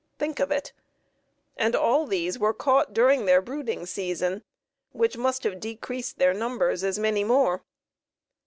Think of it! And all these were caught during their brooding season, which must have decreased their numbers as many more.